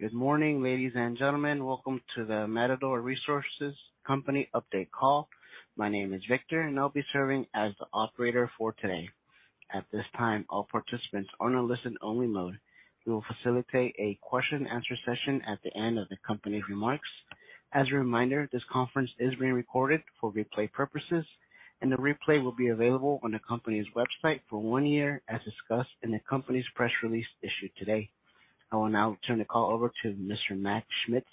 Good morning, ladies and gentlemen. Welcome to the Matador Resources Company update call. My name is Victor. I'll be serving as the operator for today. At this time, all participants are in listen-only mode. We will facilitate a question-and-answer session at the end of the company remarks. As a reminder, this conference is being recorded for replay purposes. The replay will be available on the company's website for one year, as discussed in the company's press release issued today. I will now turn the call over to Mr. Mac Schmitz,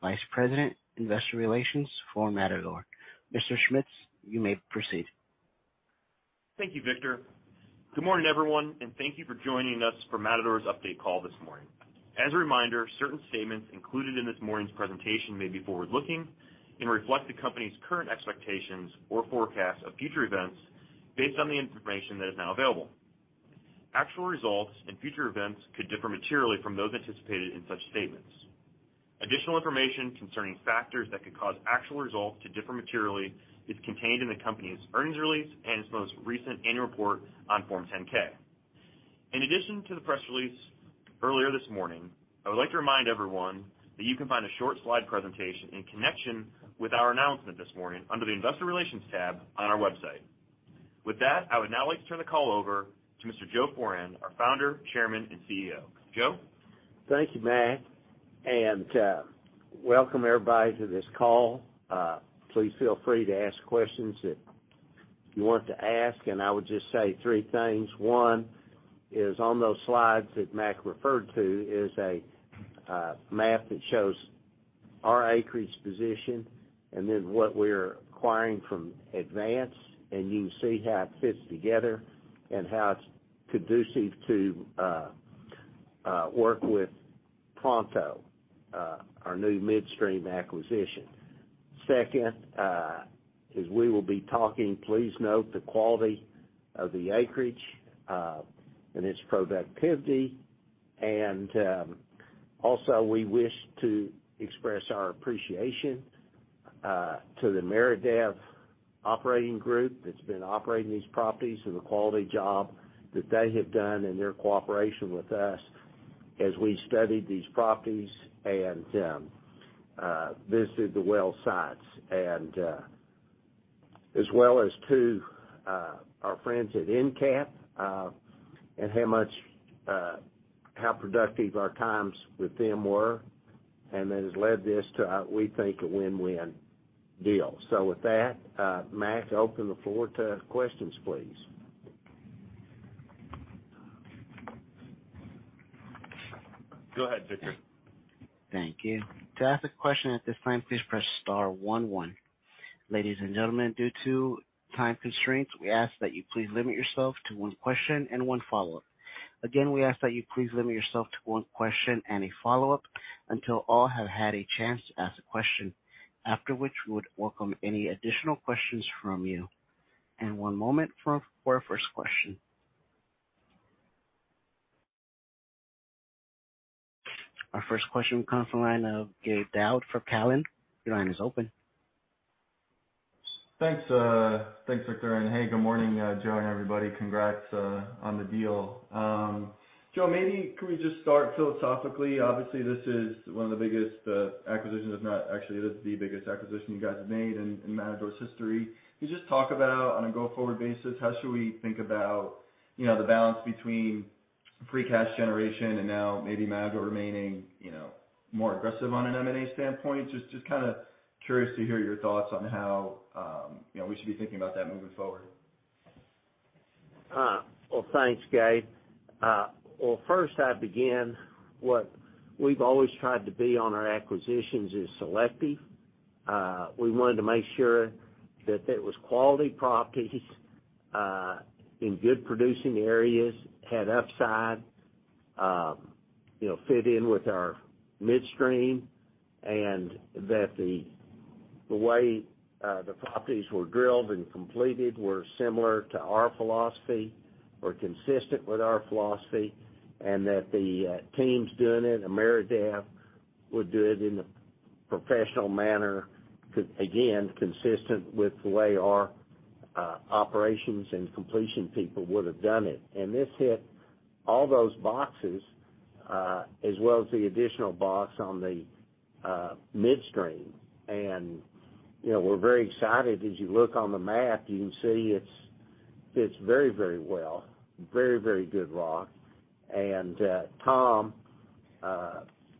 Vice President, Investor Relations for Matador. Mr. Schmitz, you may proceed. Thank you, Victor. Good morning, everyone, and thank you for joining us for Matador's update call this morning. As a reminder, certain statements included in this morning's presentation may be forward-looking and reflect the company's current expectations or forecasts of future events based on the information that is now available. Actual results and future events could differ materially from those anticipated in such statements. Additional information concerning factors that could cause actual results to differ materially is contained in the company's earnings release and its most recent annual report on Form 10-K. In addition to the press release earlier this morning, I would like to remind everyone that you can find a short slide presentation in connection with our announcement this morning under the Investor Relations tab on our website. With that, I would now like to turn the call over to Mr. Joseph Foran, our Founder, Chairman, and CEO. Joseph? Thank you, Mac, and welcome everybody to this call. Please feel free to ask questions that you want to ask, and I would just say three things. One is on those slides that Mac referred to is a map that shows our acreage position and then what we're acquiring from Advance, and you can see how it fits together and how it's conducive to work with Pronto, our new midstream acquisition. Second, as we will be talking, please note the quality of the acreage and its productivity. Also, we wish to express our appreciation to the Ameredev operating group that's been operating these properties and the quality job that they have done and their cooperation with us as we studied these properties and visited the well sites. As well as to our friends at EnCap, and how much, how productive our times with them were, and that has led this to, we think, a win-win deal. With that, Mac, open the floor to questions, please. Go ahead, Victor. Thank you. To ask a question at this time, please press star one one Ladies and gentlemen, due to time constraints, we ask that you please limit yourself to one question and one follow-up. Again, we ask that you please limit yourself to one question and a follow-up until all have had a chance to ask a question. After which, we would welcome any additional questions from you. one moment for our first question. Our first question comes from the line of Gabe Daoud from Cowen. Your line is open. Thanks, Victor. Hey, good morning, Joe and everybody. Congrats on the deal. Joe, maybe can we just start philosophically? Obviously, this is one of the biggest acquisitions. If not, actually, it is the biggest acquisition you guys have made in Matador's history. Can you just talk about, on a go-forward basis, how should we think about, you know, the balance between free cash generation and now maybe Matador remaining, you know, more aggressive on an M&A standpoint? Just kinda curious to hear your thoughts on how, you know, we should be thinking about that moving forward. Well, thanks, Gabe. Well, first, I begin what we've always tried to be on our acquisitions is selective. We wanted to make sure that there was quality properties, in good producing areas, had upside, you know, fit in with our midstream, and that the way, the properties were drilled and completed were similar to our philosophy or consistent with our philosophy, and that the, teams doing it, Ameredev, would do it in a professional manner again, consistent with the way our, operations and completion people would have done it. This hit all those boxes, as well as the additional box on the, midstream. You know, we're very excited. As you look on the map, you can see it's fits very, very well, very, very good rock. Tom,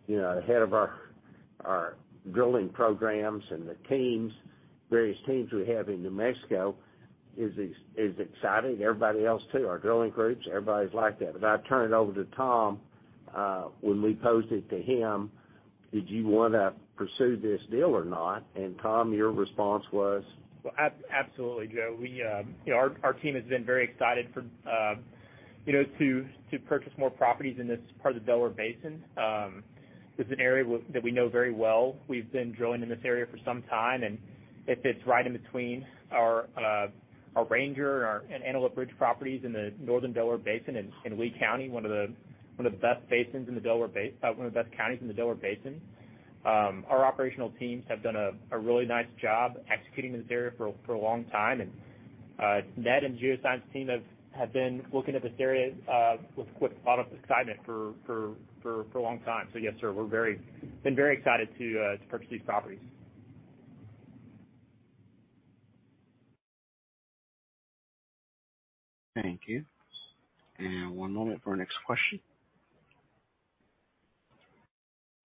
you know, the head of our drilling programs and the teams, various teams we have in New Mexico is excited. Everybody else too, our drilling crews, everybody's liked that. As I turned it over to Tom, when we posed it to him, "Did you wanna pursue this deal or not?" Tom, your response was? Well, absolutely, Joe. We, you know, our team has been very excited for, you know, to purchase more properties in this part of the Delaware Basin. It's an area that we know very well. We've been drilling in this area for some time, and it's right in between our Ranger and our Antelope Ridge properties in the Northern Delaware Basin in Lea County, one of the best basins in the Delaware, one of the best counties in the Delaware Basin. Our operational teams have done a really nice job executing in this area for a long time. Ned and geoscience team have been looking at this area with a lot of excitement for a long time. Yes, sir, we're very... been very excited to purchase these properties. Thank you. One moment for our next question.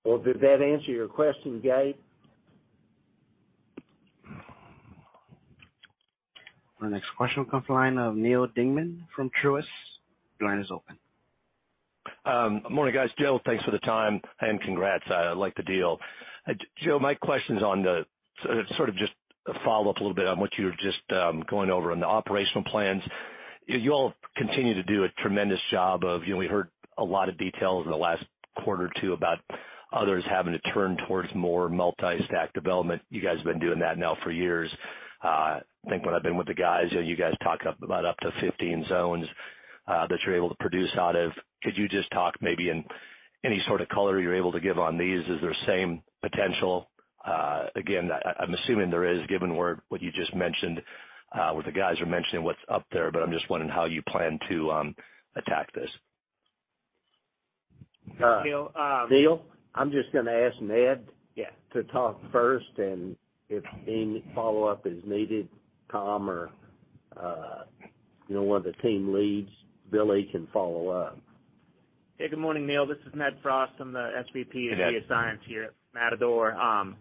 Well, did that answer your question, Gabe? Our next question will come from the line of Neal Dingman from Truist. Your line is open. Morning, guys. Joe, thanks for the time, and congrats. I like the deal. Joe, my question's on the sort of just a follow-up a little bit on what you were just going over on the operational plans. You all continue to do a tremendous job of, you know, we heard a lot of details in the last quarter or two about others having to turn towards more multi-stack development. You guys have been doing that now for years. I think when I've been with the guys, you know, you guys talk up about up to 15 zones that you're able to produce out of. Could you just talk maybe in any sort of color you're able to give on these? Is there same potential? Again, I'm assuming there is, given where what you just mentioned, what the guys are mentioning what's up there, but I'm just wondering how you plan to attack this. Neal. Neal, I'm just gonna ask Ned. Yeah to talk first, and if any follow-up is needed, Tom or, you know, one of the team leads, Billy, can follow up. Hey, good morning, Neal. This is Ned Frost. I'm the SVP- Ned of geoscience here at Matador.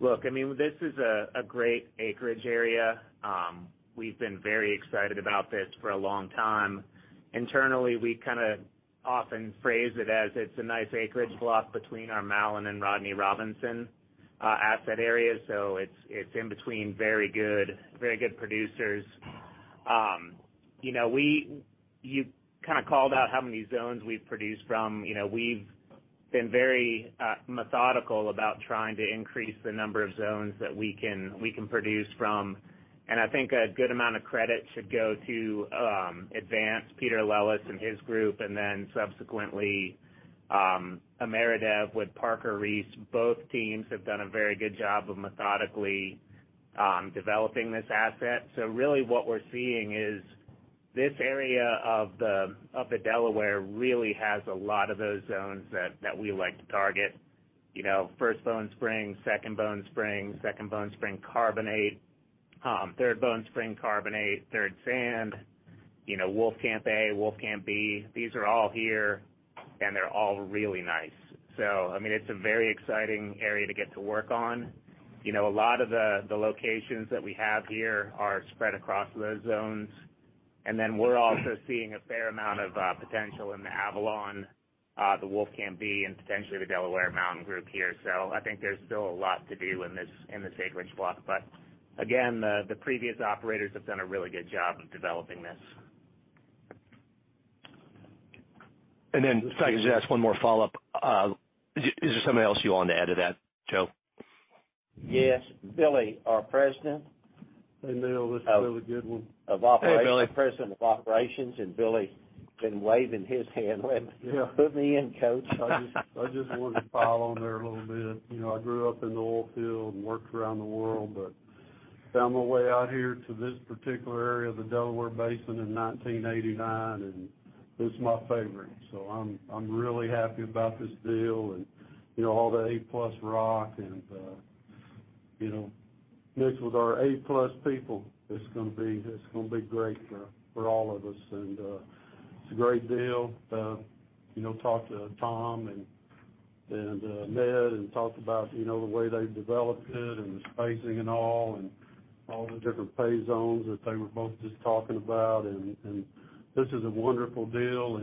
Look, I mean, this is a great acreage area. We've been very excited about this for a long time. Internally, we kinda often phrase it as it's a nice acreage block between our Marlan and Rodney Robinson asset areas, so it's in between very good producers. You know, you kinda called out how many zones we produce from. You know, we've been very methodical about trying to increase the number of zones that we can produce from. I think a good amount of credit should go to Advance, Peter Lellis and his group, and then subsequently, Ameredev with Parker Reese. Both teams have done a very good job of methodically developing this asset. Really what we're seeing is this area of the Delaware really has a lot of those zones that we like to target. You know, First Bone Spring, Second Bone Spring, Second Bone Spring Carbonate, Third Bone Spring Carbonate, Third Sand, you know, Wolfcamp A, Wolfcamp B. These are all here, and they're all really nice. I mean, it's a very exciting area to get to work on. You know, a lot of the locations that we have here are spread across those zones. Then we're also seeing a fair amount of potential in the Avalon, the Wolfcamp B, and potentially the Delaware Mountain Group here. I think there's still a lot to do in this acreage block. Again, the previous operators have done a really good job of developing this. If I could just ask one more follow-up. Is there something else you want to add to that, Joe? Yes. Billy, our President. Hey, Neal. This is Billy Goodwin. Of operations. Hey, Billy. President of Operations, Billy's been waving his hand like "Put me in, coach. I just wanted to follow on there a little bit. You know, I grew up in the oil field and worked around the world, but found my way out here to this particular area of the Delaware Basin in 1989, and it's my favorite. So I'm really happy about this deal and, you know, all the A-plus rock and, you know, mixed with our A-plus people, it's gonna be great for all of us. It's a great deal. You know, talked to Tom and Ned and talked about, you know, the way they've developed it and the spacing and all, and all the different pay zones that they were both just talking about. This is a wonderful deal.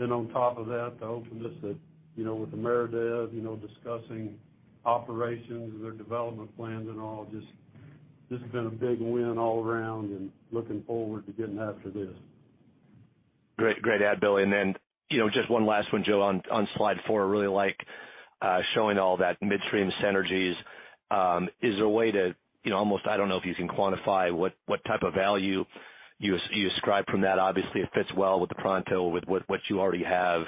On top of that, the openness that, you know, with Ameredev, you know, discussing operations and their development plans and all, just this has been a big win all around and looking forward to getting after this. Great. Great to add, Billy. You know, just one last one, Joe. On slide four, I really like showing all that midstream synergies. Is there a way to, you know, almost, I don't know if you can quantify what type of value you ascribe from that? Obviously, it fits well with the Pronto, with what you already have.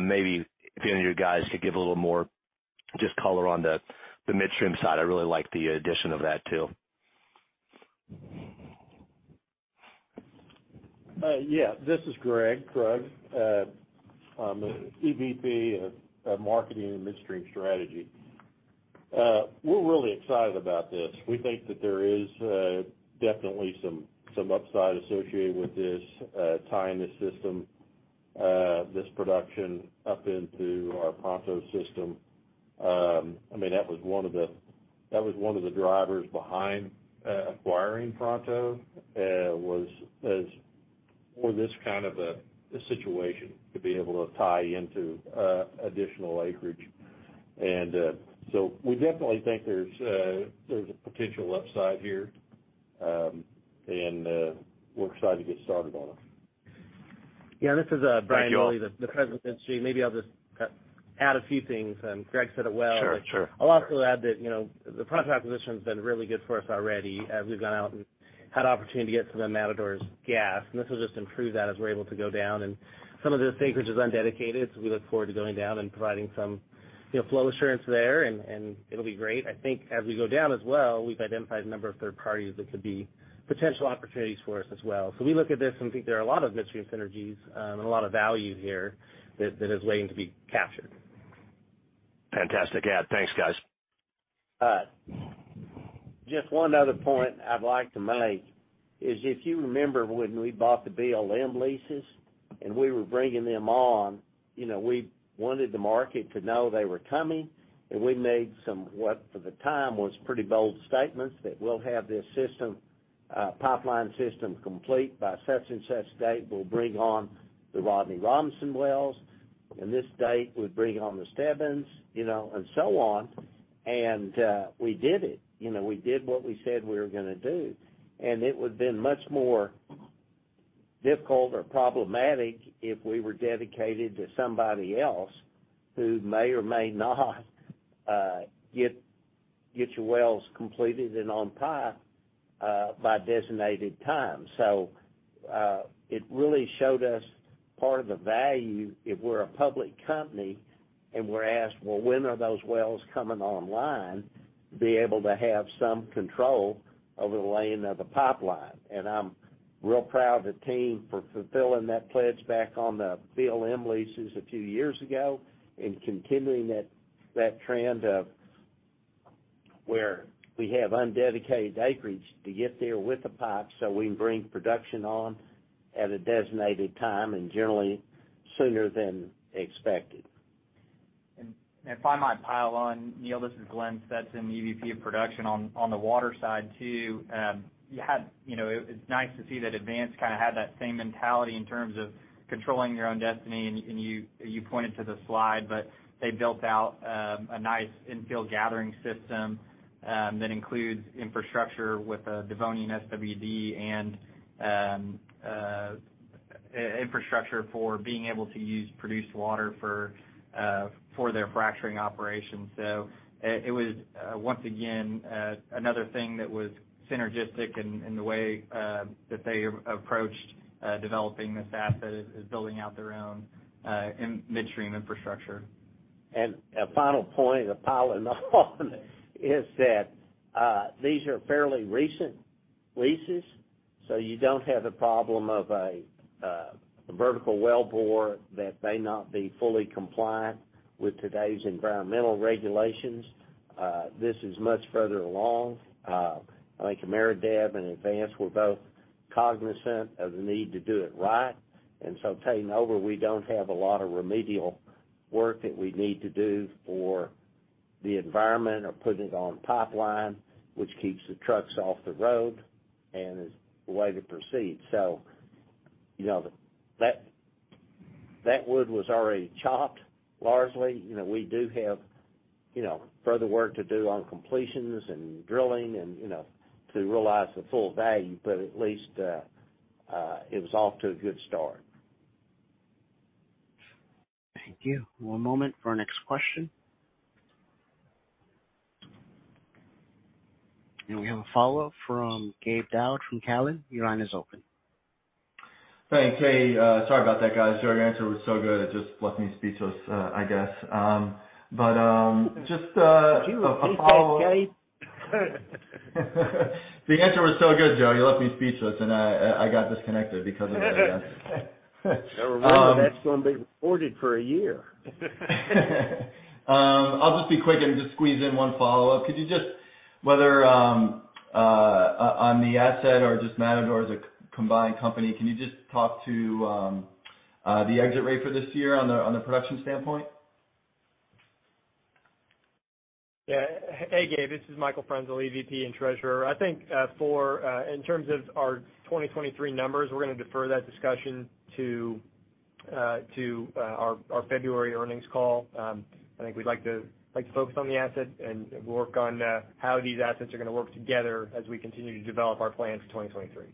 Maybe if any of your guys could give a little more just color on the midstream side. I really like the addition of that too. Yeah. This is Gregg Krug, EVP of Marketing and Midstream Strategy. We're really excited about this. We think that there is definitely some upside associated with this, tying this system, this production up into our Pronto system. I mean, that was one of the drivers behind acquiring Pronto, was for this kind of a situation, to be able to tie into additional acreage. We definitely think there's a potential upside here. We're excited to get started on it. Yeah. This is. Thank you all. Brian Willey, the president of midstream. Maybe I'll just- Add a few things. Greg said it well. Sure, sure. I'll also add that, you know, the project position has been really good for us already as we've gone out and had opportunity to get some of Matador's gas, and this will just improve that as we're able to go down. Some of this acreage is undedicated, so we look forward to going down and providing some, you know, flow assurance there, and it'll be great. I think as we go down as well, we've identified a number of third parties that could be potential opportunities for us as well. We look at this and think there are a lot of midstream synergies, and a lot of value here that is waiting to be captured. Fantastic add. Thanks, guys. All right. Just one other point I'd like to make is if you remember when we bought the BLM leases and we were bringing them on, you know, we wanted the market to know they were coming, and we made some what, for the time, was pretty bold statements that we'll have this system, pipeline system complete by such and such date. We'll bring on the Rodney Robinson wells. On this date, we'll bring on the Stebbins, you know, and so on. We did it. You know, we did what we said we were gonna do. It would've been much more difficult or problematic if we were dedicated to somebody else who may or may not get your wells completed and on pipe by designated time. It really showed us part of the value if we're a public company and we're asked, "Well, when are those wells coming online?" Be able to have some control over the laying of the pipeline. I'm real proud of the team for fulfilling that pledge back on the BLM leases a few years ago and continuing that trend of where we have undedicated acreage to get there with the pipe, so we can bring production on at a designated time and generally sooner than expected. If I might pile on, Neal, this is Glenn Stetson, EVP of Production. On the water side too, You know, it's nice to see that Advance kinda had that same mentality in terms of controlling your own destiny. You pointed to the slide, but they built out a nice infill gathering system that includes infrastructure with the Devonian SWD and infrastructure for being able to use produced water for their fracturing operations. It was once again another thing that was synergistic in the way that they approached developing this asset is building out their own midstream infrastructure. A final point of piling on is that these are fairly recent leases, so you don't have the problem of a vertical wellbore that may not be fully compliant with today's environmental regulations. This is much further along. I think Ameredev and Advance were both cognizant of the need to do it right. Taking over, we don't have a lot of remedial work that we need to do for the environment or putting it on pipeline, which keeps the trucks off the road and is the way to proceed. You know, that wood was already chopped largely. You know, we do have, you know, further work to do on completions and drilling and, you know, to realize the full value, but at least it was off to a good start. Thank you. One moment for our next question. We have a follow-up from Gabe Daoud from Cowen. Your line is open. Thanks. Hey, sorry about that, guys. Your answer was so good, it just left me speechless, I guess. Just, a follow-up- Did you repeat that, Gabe? The answer was so good, Joe, you left me speechless, and I got disconnected because of it, I guess. Never mind. That's gonna be reported for a year. I'll just be quick and just squeeze in one follow-up. Could you just whether, on the asset or just Matador as a combined company, can you just talk to the exit rate for this year on the production standpoint? Yeah. Hey, Gabe, this is Michael Frenzel, EVP and Treasurer. I think, for in terms of our 2023 numbers, we're gonna defer that discussion to our February earnings call. I think we'd like to focus on the asset and work on how these assets are gonna work together as we continue to develop our plans for 2023.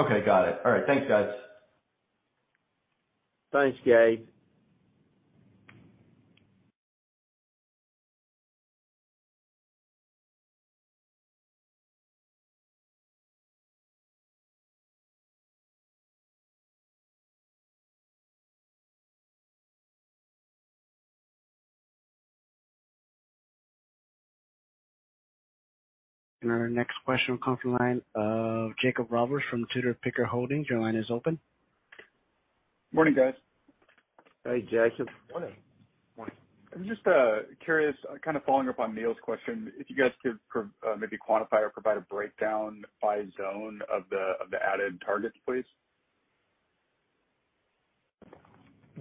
Okay. Got it. All right. Thanks, guys. Thanks, Gabe. And our next question will come from the line of Jacob Roberts from Tudor, Pickering, Holt & Co. Your line is open. Morning, guys. Hey, Jacob. Morning. Morning. I'm just curious, kind of following up on Neal's question, if you guys could maybe quantify or provide a breakdown by zone of the added targets, please.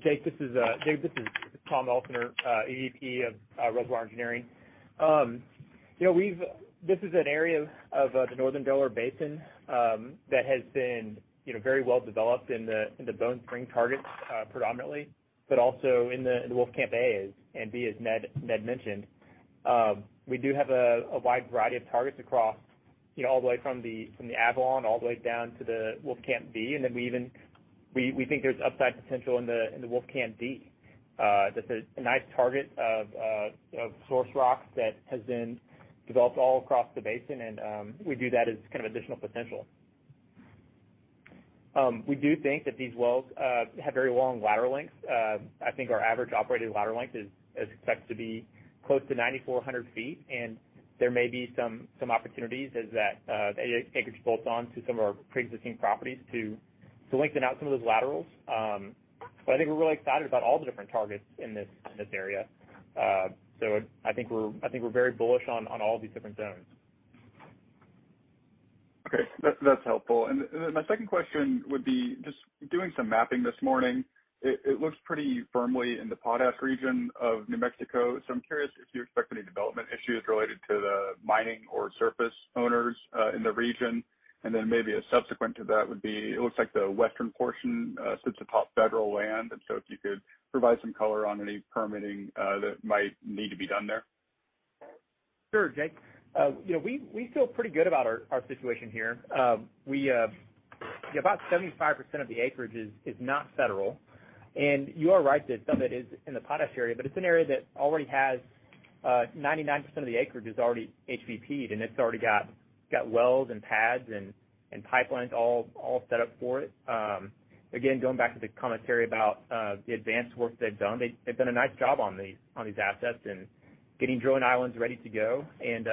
Jake, this is Tom Elsener, EVP of Reservoir Engineering. You know, this is an area of the Northern Delaware Basin that has been, you know, very well developed in the Bone Spring targets, predominantly, but also in the Wolfcamp A and B, as Ned mentioned. We do have a wide variety of targets across You know, all the way from the Avalon all the way down to the Wolfcamp B, and then we think there's upside potential in the Wolfcamp D. That's a nice target of source rock that has been developed all across the basin, and we view that as kind of additional potential. We do think that these wells have very long lateral lengths. I think our average operated lateral length is expected to be close to 9,400 feet, and there may be some opportunities as that acreage bolts on to some of our preexisting properties to lengthen out some of those laterals. I think we're really excited about all the different targets in this, in this area. I think we're very bullish on all these different zones. Okay. That's helpful. My second question would be just doing some mapping this morning, it looks pretty firmly in the Potash region of New Mexico. I'm curious if you expect any development issues related to the mining or surface owners in the region. Maybe a subsequent to that would be, it looks like the western portion sits atop federal land. If you could provide some color on any permitting that might need to be done there. Sure, Jake. you know, we feel pretty good about our situation here. About 75% of the acreage is not federal. You are right that some of it is in the Potash area, but it's an area that already has 99% of the acreage is already HBP, and it's already got wells and pads and pipelines all set up for it. Again, going back to the commentary about the advanced work they've done, they've done a nice job on these assets and getting drilling islands ready to go and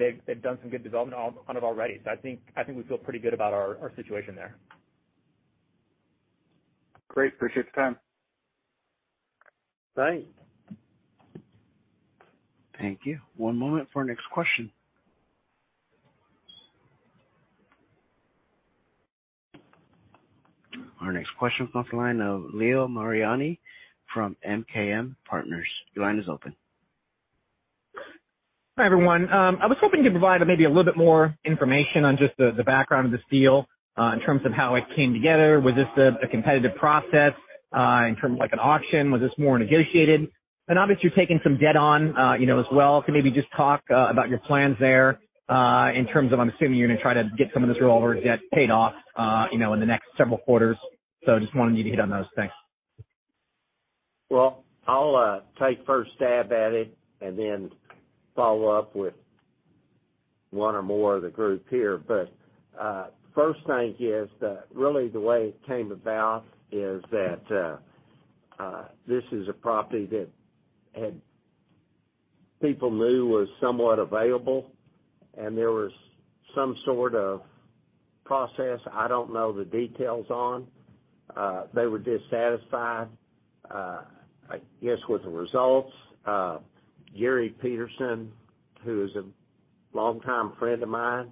they've done some good development on it already. I think we feel pretty good about our situation there. Great. Appreciate the time. Thanks. Thank you. One moment for our next question. Our next question comes from the line of Leo Mariani from MKM Partners. Your line is open. Hi, everyone. I was hoping you could provide maybe a little bit more information on just the background of this deal, in terms of how it came together. Was this a competitive process, in terms of like an auction? Was this more negotiated? Obviously, you're taking some debt on, you know, as well. Maybe just talk about your plans there, in terms of I'm assuming you're gonna try to get some of this revolver debt paid off, you know, in the next several quarters. Just wondering you to hit on those things. Well, I'll take first stab at it and then follow up with one or more of the group here. First thing is that really the way it came about is that this is a property that people knew was somewhat available, and there was some sort of process I don't know the details on. They were dissatisfied, I guess, with the results. Gary Petersen, who is a longtime friend of mine,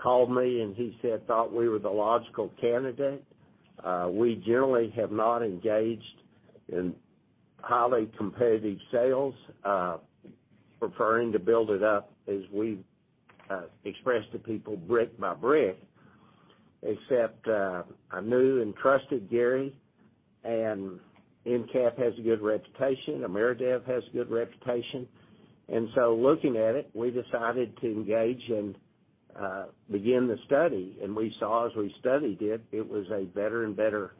called me, and he said thought we were the logical candidate. We generally have not engaged in highly competitive sales, preferring to build it up as we've expressed to people brick by brick, except I knew and trusted Gary, and EnCap has a good reputation. Ameredev has a good reputation. Looking at it, we decided to engage and begin the study. We saw as we studied it was a better and better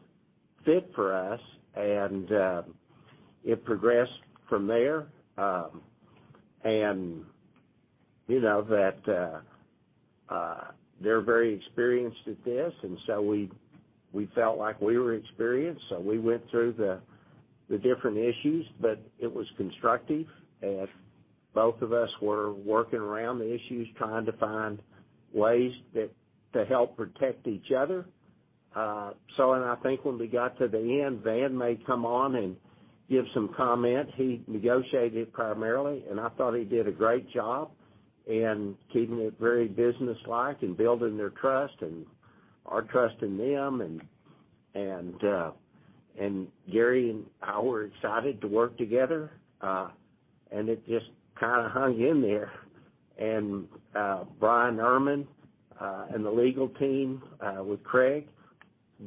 fit for us, it progressed from there. You know, that, they're very experienced at this, and so we felt like we were experienced, so we went through the different issues, but it was constructive as both of us were working around the issues, trying to find ways that, to help protect each other. I think when we got to the end, Van may come on and give some comment. He negotiated primarily, and I thought he did a great job in keeping it very businesslike and building their trust and our trust in them. Gary and I were excited to work together, and it just kinda hung in there. Bryan Erman and the legal team with Craig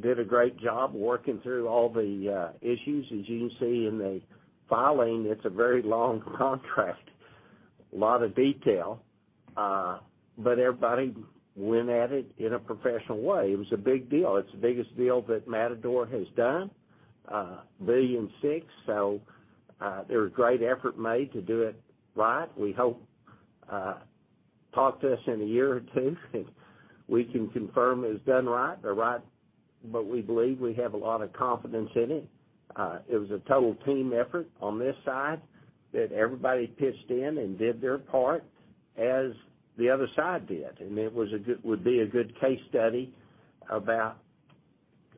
did a great job working through all the issues. As you can see in the filing, it's a very long contract, lot of detail, everybody went at it in a professional way. It was a big deal. It's the biggest deal that Matador has done, billion six. There was great effort made to do it right. We hope, talk to us in one year or two, we can confirm it was done right or right, we believe we have a lot of confidence in it. It was a total team effort on this side that everybody pitched in and did their part as the other side did. It would be a good case study about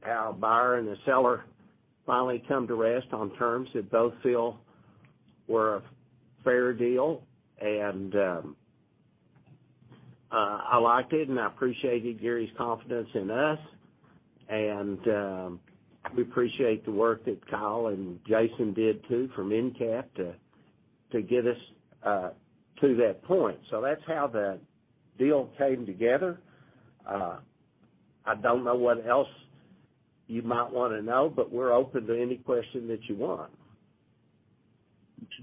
how a buyer and a seller finally come to rest on terms that both feel were a fair deal. I liked it, and I appreciated Gary's confidence in us. We appreciate the work that Kyle and Jason did too from EnCap to get us to that point. That's how the deal came together. I don't know what else you might wanna know, but we're open to any question that you want.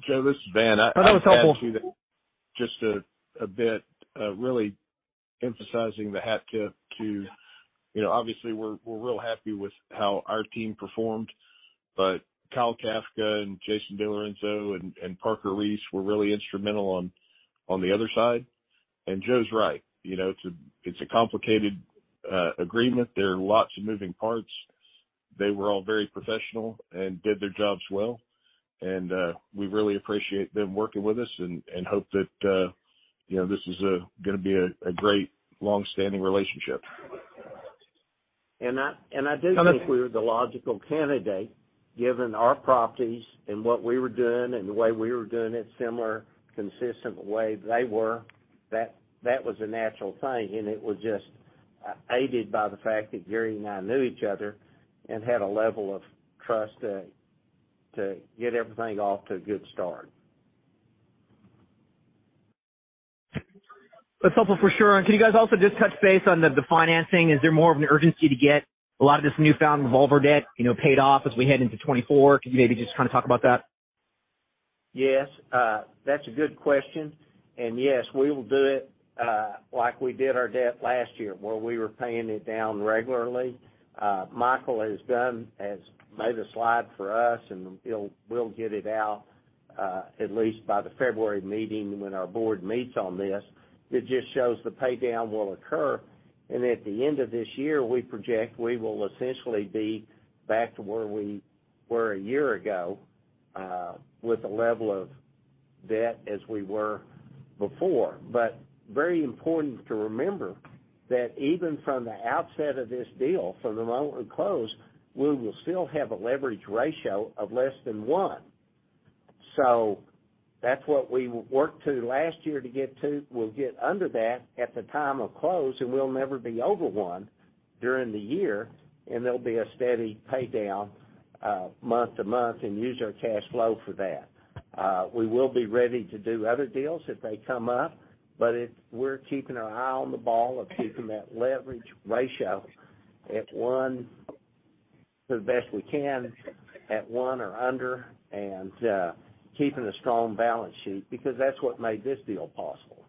Joe, this is Glenn. That was helpful. Just a bit, really emphasizing the hat tip to, you know, obviously we're real happy with how our team performed. Kyle Kafka and Jason DeLorenzo and Parker Reese were really instrumental on the other side. Joe's right, you know, it's a complicated agreement. There are lots of moving parts. They were all very professional and did their jobs well. We really appreciate them working with us and hope that, you know, this is gonna be a great long-standing relationship. I do think. Comment we were the logical candidate, given our properties and what we were doing and the way we were doing it, similar, consistent way that they were. That was a natural thing, and it was just aided by the fact that Gary and I knew each other and had a level of trust to get everything off to a good start. That's helpful for sure. Can you guys also just touch base on the financing? Is there more of an urgency to get a lot of this newfound revolver debt, you know, paid off as we head into 2024? Can you maybe just kinda talk about that? Yes. That's a good question. Yes, we will do it, like we did our debt last year, where we were paying it down regularly. Michael has made a slide for us, we'll get it out, at least by the February meeting when our board meets on this. It just shows the pay down will occur. At the end of this year, we project we will essentially be back to where we were a year ago, with the level of debt as we were before. Very important to remember that even from the outset of this deal, from the moment we close, we will still have a leverage ratio of less than one. That's what we worked to last year to get to. We'll get under that at the time of close. We'll never be over one during the year. There'll be a steady pay down, month to month, and use our cash flow for that. We will be ready to do other deals if they come up. If we're keeping our eye on the ball of keeping that leverage ratio at one, the best we can, at one or under, and keeping a strong balance sheet, because that's what made this deal possible.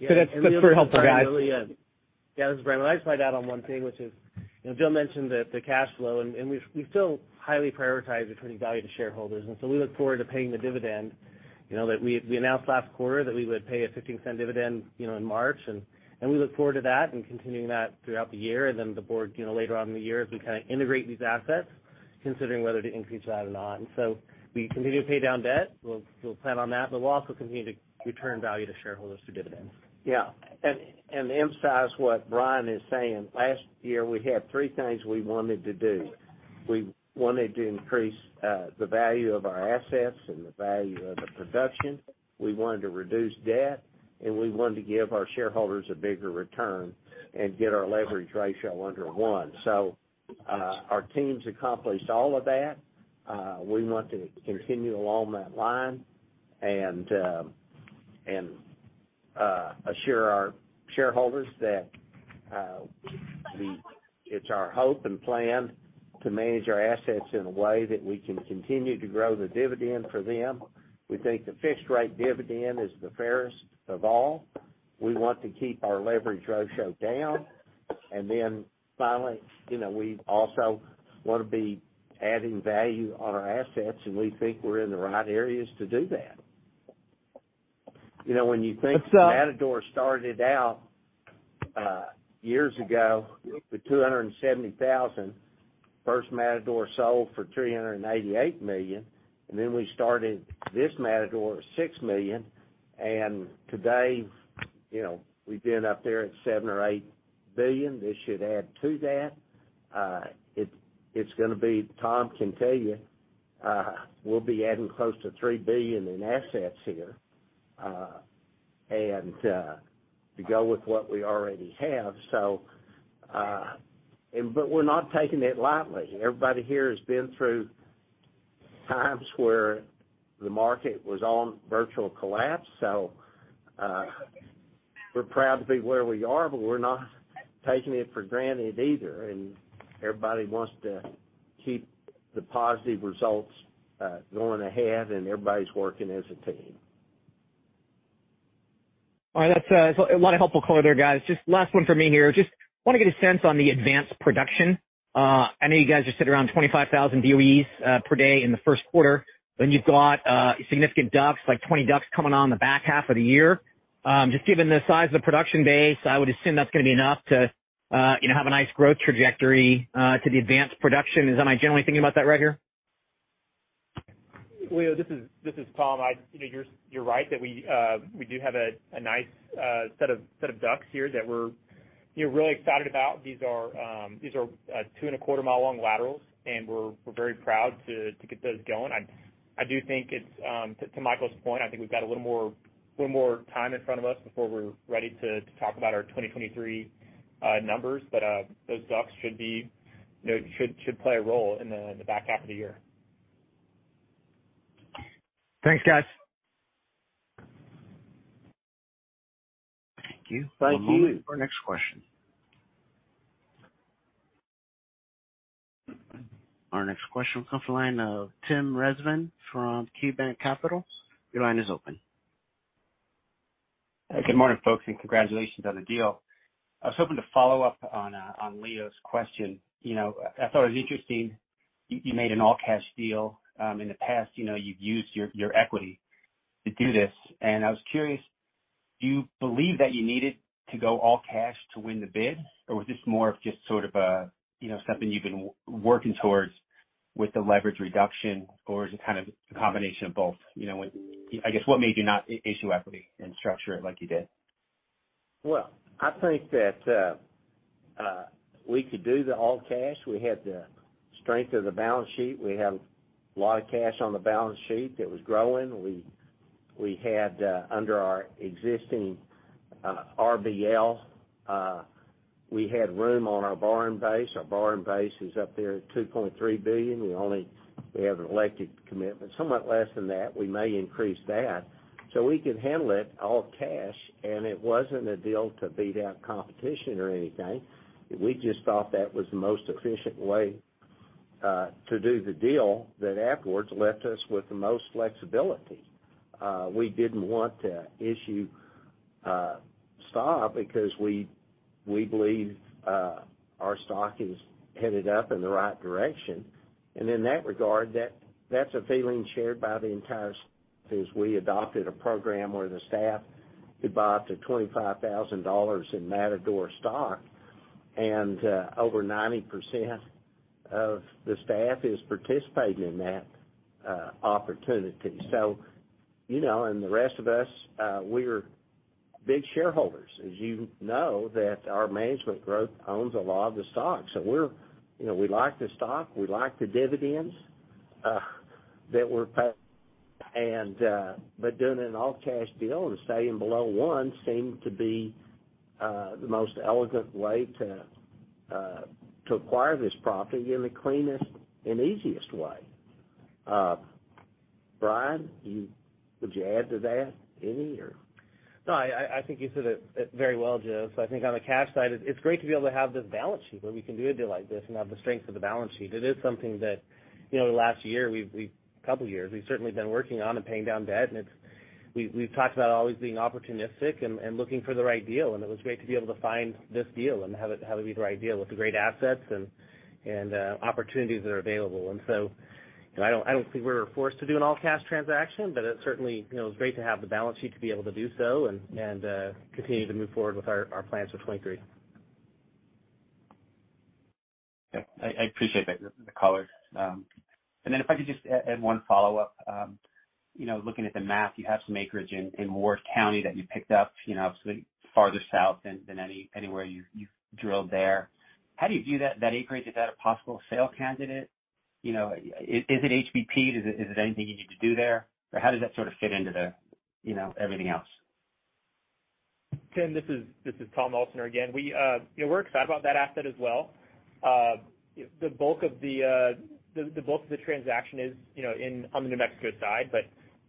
That's very helpful, guys. Yeah, this is Bryan. I'd just like to add on one thing, which is, you know, Joe mentioned the cash flow, and we still highly prioritize returning value to shareholders. We look forward to paying the dividend. You know, that we announced last quarter that we would pay a 15-cent dividend, you know, in March, and we look forward to that and continuing that throughout the year. The board, you know, later on in the year, as we kinda integrate these assets, considering whether to increase that or not. We continue to pay down debt. We'll plan on that, but we'll also continue to return value to shareholders through dividends. Yeah. To emphasize what Brian is saying, last year, we had three things we wanted to do. We wanted to increase the value of our assets and the value of the production, we wanted to reduce debt, and we wanted to give our shareholders a bigger return and get our leverage ratio under one. Our teams accomplished all of that. We want to continue along that line and assure our shareholders that it's our hope and plan to manage our assets in a way that we can continue to grow the dividend for them. We think the fixed rate dividend is the fairest of all. We want to keep our leverage ratio down. Finally, you know, we also wanna be adding value on our assets, and we think we're in the right areas to do that. You know, when you think Matador started out years ago with $270,000, first Matador sold for $388 million, then we started this Matador at $6 million. Today, you know, we've been up there at $7 billion or $8 billion. This should add to that. It's gonna be... Tom can tell you, we'll be adding close to $3 billion in assets here, and to go with what we already have. But we're not taking it lightly. Everybody here has been through times where the market was on virtual collapse, we're proud to be where we are, but we're not taking it for granted either. Everybody wants to keep the positive results going ahead and everybody's working as a team. All right. That's a lot of helpful color there, guys. Just last one for me here. Just wanna get a sense on the advanced production. I know you guys just sit around 25,000 BOEs per day in the first quarter, then you've got significant DUCs, like 20 DUCs coming on the back half of the year. Just given the size of the production base, I would assume that's gonna be enough to, you know, have a nice growth trajectory to the advanced production. Am I generally thinking about that right here? Leo, this is Tom. You know, you're right that we do have a nice set of DUCs here that we're, you know, really excited about. These are two-and-a-quarter mile long laterals, and we're very proud to get those going. I do think it's to Michael's point, I think we've got a little more time in front of us before we're ready to talk about our 2023 numbers. Those DUCs should be, you know, should play a role in the back half of the year. Thanks, guys. Thank you. Thank you. One moment for our next question. Our next question comes from the line of Tim Rezvan from KeyBanc Capital. Your line is open. Good morning, folks, and congratulations on the deal. I was hoping to follow up on Leo's question. You know, I thought it was interesting you made an all-cash deal. In the past, you know, you've used your equity to do this. I was curious, do you believe that you needed to go all cash to win the bid? Was this more of just sort of a, you know, something you've been working towards with the leverage reduction, or is it kind of a combination of both? You know, I guess, what made you not issue equity and structure it like you did? I think that we could do the all cash. We had the strength of the balance sheet. We have a lot of cash on the balance sheet that was growing. We had under our existing RBL we had room on our borrowing base. Our borrowing base is up there at $2.3 billion. We only have an elected commitment, somewhat less than that. We may increase that. We can handle it all cash, and it wasn't a deal to beat out competition or anything. We just thought that was the most efficient way to do the deal that afterwards left us with the most flexibility. We didn't want to issue stock because we believe our stock is headed up in the right direction. In that regard, that's a feeling shared by the entire as we adopted a program where the staff could buy up to $25,000 in Matador stock, and over 90% of the staff is participating in that opportunity. You know, the rest of us, we're big shareholders, as you know that our management group owns a lot of the stock. We're, you know, we like the stock, we like the dividends that we're. Doing an all-cash deal and staying below one seemed to be the most elegant way to acquire this property in the cleanest and easiest way. Brian, would you add to that any or? No, I think you said it very well, Joe. I think on the cash side, it's great to be able to have this balance sheet where we can do a deal like this and have the strength of the balance sheet. It is something that, you know, the last year we've... couple of years, we've certainly been working on and paying down debt, and it's... We've talked about always being opportunistic and looking for the right deal, it was great to be able to find this deal and have it be the right deal with the great assets and opportunities that are available. You know, I don't think we were forced to do an all-cash transaction, but it certainly, you know, it was great to have the balance sheet to be able to do so and continue to move forward with our plans for 23. Okay. I appreciate that, the color. Then if I could just add one follow-up. You know, looking at the map, you have some acreage in Ward County that you picked up, you know, farther south than anywhere you've drilled there. How do you view that acreage? Is that a possible sale candidate? You know, is it HBP? Is it anything you need to do there? How does that sort of fit into the, you know, everything else? Tim, this is Tom Elsener again. We, you know, we're excited about that asset as well. The bulk of the transaction is, you know, in, on the New Mexico side,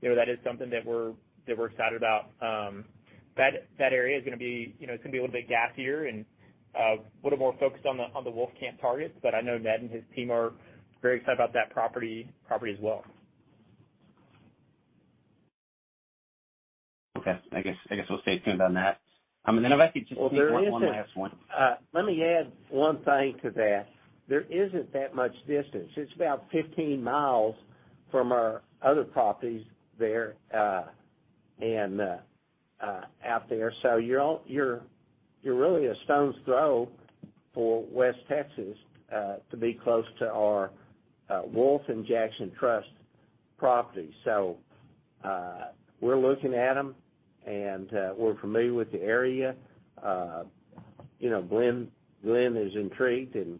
you know, that is something that we're, that we're excited about. That area, you know, it's gonna be a little bit gassier and a little more focused on the Wolfcamp targets. I know Ned and his team are very excited about that property as well. Okay. I guess we'll stay tuned on that. If I could just take one last one. Well, let me add one thing to that. There isn't that much distance. It's about 15 miles from our other properties there and out there. You're really a stone's throw for West Texas to be close to our Wolf and Jackson Trust property. We're looking at them and we're familiar with the area. You know, Glenn is intrigued, and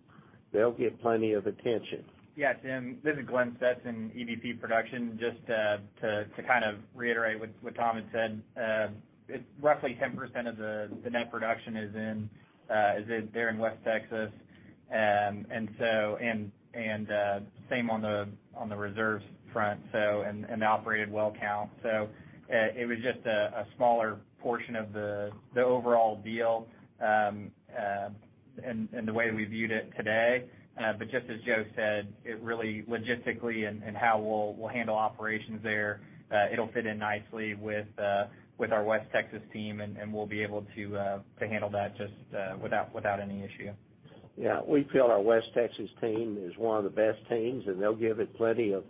they'll get plenty of attention. Yeah. Tim, this is Glenn Stetson, EVP Production. Just to kind of reiterate what Tom had said, it's roughly 10% of the net production is in there in West Texas. Same on the reserves front and the operated well count. It was just a smaller portion of the overall deal and the way we viewed it today. Just as Joe said, it really logistically and how we'll handle operations there, it'll fit in nicely with our West Texas team, and we'll be able to handle that just without any issue. Yeah. We feel our West Texas team is one of the best teams, and they'll give it plenty of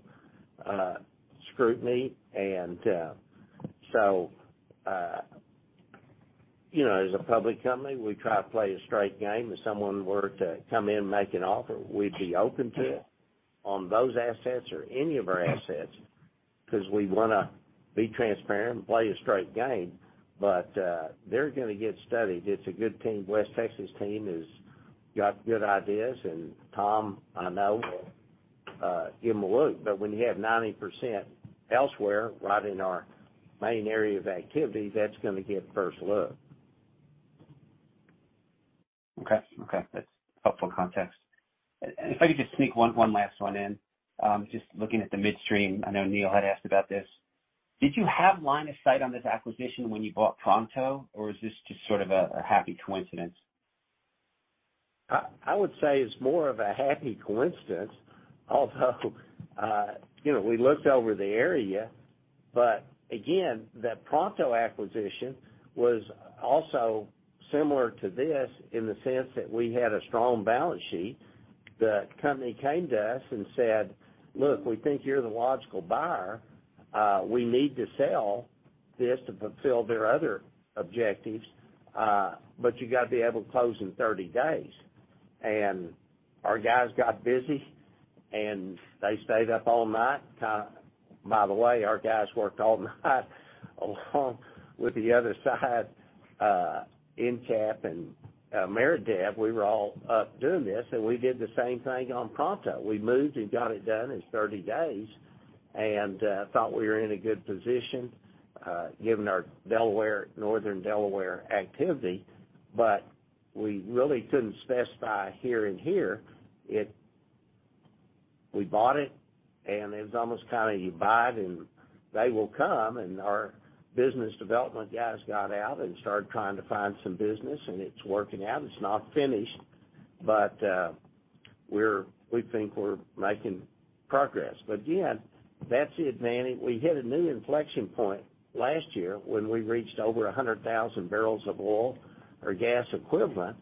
scrutiny. You know, as a public company, we try to play a straight game. If someone were to come in and make an offer, we'd be open to it on those assets or any of our assets 'cause we wanna be transparent and play a straight game. They're gonna get studied. It's a good team. West Texas team has got good ideas, and Tom, I know, give 'em a look. When you have 90% elsewhere right in our main area of activity, that's gonna get first look. Okay. Okay, that's helpful context. If I could just sneak one last one in. Just looking at the midstream, I know Neil had asked about this. Did you have line of sight on this acquisition when you bought Pronto, or is this just sort of a happy coincidence? I would say it's more of a happy coincidence. Although, you know, we looked over the area, but again, that Pronto acquisition was also similar to this in the sense that we had a strong balance sheet. The company came to us and said, "Look, we think you're the logical buyer. We need to sell this to fulfill their other objectives, but you gotta be able to close in 30 days." Our guys got busy, and they stayed up all night, by the way, our guys worked all night along with the other side, EnCap and Ameredev. We were all up doing this, and we did the same thing on Pronto. We moved and got it done in 30 days, and thought we were in a good position, given our Delaware, Northern Delaware activity. We really couldn't specify here and here. We bought it, and it was almost kinda you buy it and they will come. Our business development guys got out and started trying to find some business, and it's working out. It's not finished, but we think we're making progress. Again, that's the advantage. We hit a new inflection point last year when we reached over 100,000 barrels of oil or gas equivalent.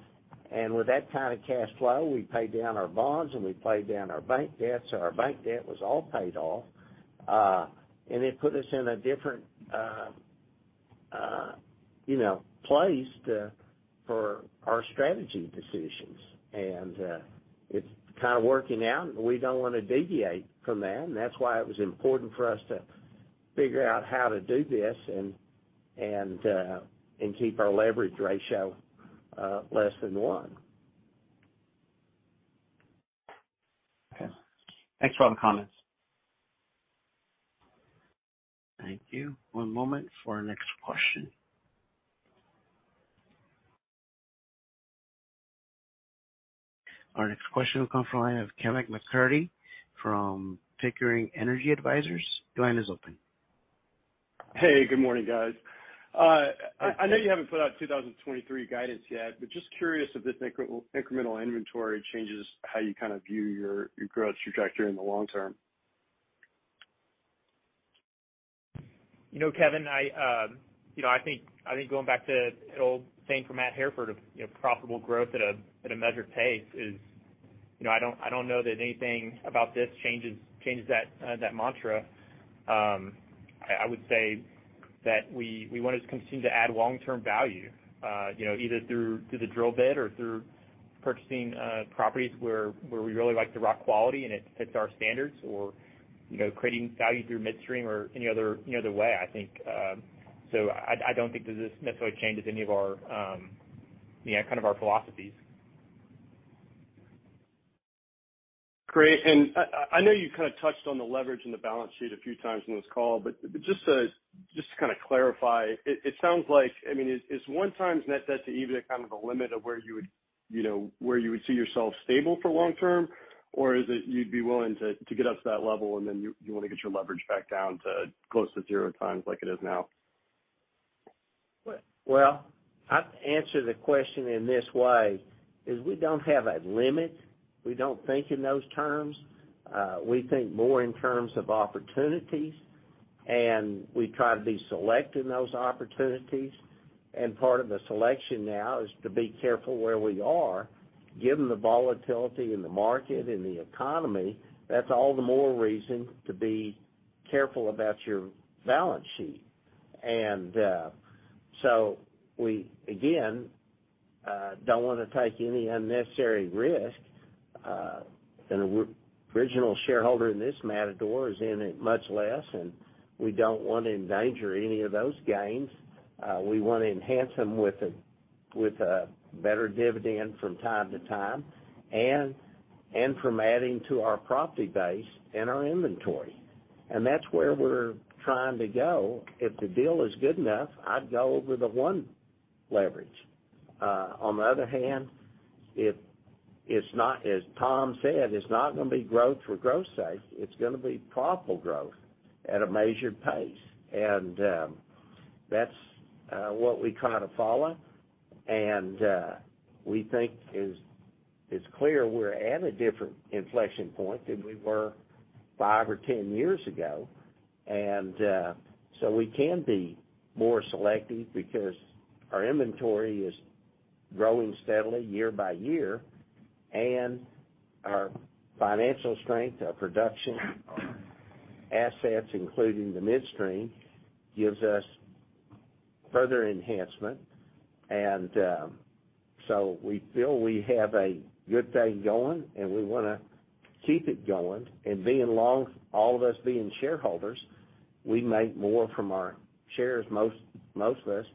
With that kinda cash flow, we paid down our bonds, and we paid down our bank debt. Our bank debt was all paid off. It put us in a different, you know, place to, for our strategy decisions. It's kinda working out, and we don't wanna deviate from that. That's why it was important for us to figure out how to do this and keep our leverage ratio less than 1. Okay. Thanks for all the comments. Thank you. One moment for our next question. Our next question will come from the line of Kevin MacCurdy from Pickering Energy Partners. Your line is open. Hey, good morning, guys. I know you haven't put out 2023 guidance yet, just curious if this incremental inventory changes how you kind of view your growth trajectory in the long term. You know, Kevin, I, you know, I think going back to an old saying from Mark Hereford of, you know, profitable growth at a measured pace is, you know, I don't know that anything about this changes that mantra. I would say that we wanna just continue to add long-term value, you know, either through the drill bit or through purchasing properties where we really like the rock quality and it fits our standards, or, you know, creating value through midstream or any other way, I think. I don't think that this necessarily changes any of our, you know, kind of our philosophies. Great. I know you kinda touched on the leverage in the balance sheet a few times on this call, just to kinda clarify, it sounds like, I mean, is one times net debt to EBITDA kind of the limit of where you would, you know, where you would see yourself stable for long term? Is it you'd be willing to get up to that level and then you wanna get your leverage back down to close to zero times like it is now? Well, I'd answer the question in this way, is we don't have a limit. We don't think in those terms. We think more in terms of opportunities, and we try to be select in those opportunities. Part of the selection now is to be careful where we are. Given the volatility in the market and the economy, that's all the more reason to be careful about your balance sheet. We, again, don't wanna take any unnecessary risk. Original shareholder in this, Matador, is in it much less, and we don't wanna endanger any of those gains. We wanna enhance them with a, with a better dividend from time to time and from adding to our property base and our inventory. That's where we're trying to go. If the deal is good enough, I'd go over the 1x leverage. On the other hand, if it's not, as Tom said, it's not gonna be growth for growth's sake, it's gonna be profitable growth at a measured pace. That's what we kinda follow. We think it's clear we're at a different inflection point than we were five or 10 years ago. So we can be more selective because our inventory is growing steadily year by year, and our financial strength, our production assets, including the midstream, gives us further enhancement. So we feel we have a good thing going, and we wanna keep it going. Being long, all of us being shareholders, we make more from our shares, most of us,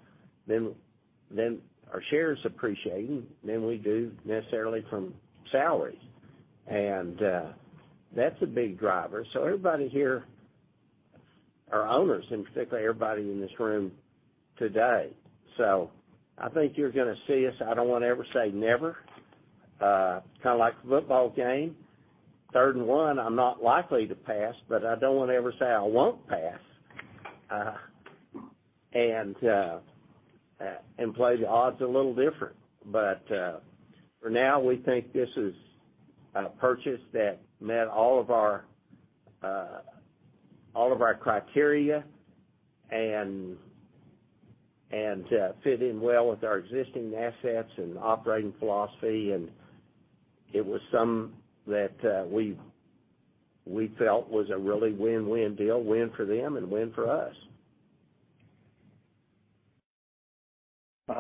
than our shares appreciating than we do necessarily from salaries. That's a big driver. Everybody here. Our owners, in particular, everybody in this room today. I think you're gonna see us. I don't wanna ever say never, kinda like the football game. Third and one, I'm not likely to pass, but I don't wanna ever say I won't pass, and play the odds a little different. For now, we think this is a purchase that met all of our criteria and fit in well with our existing assets and operating philosophy. It was some that we felt was a really win-win deal, win for them and win for us.